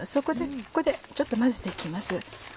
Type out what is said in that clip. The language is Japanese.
ここでちょっと混ぜて行きます。